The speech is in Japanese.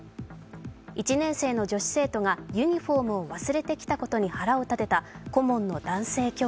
１年生の女子生徒がユニフォームを忘れてきたことに腹を立てた顧問の男性教諭。